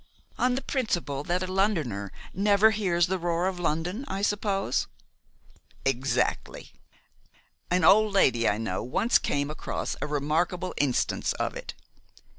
"On the principle that a Londoner never hears the roar of London, I suppose?" "Exactly. An old lady I know once came across a remarkable instance of it.